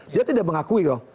dia tidak mengakui loh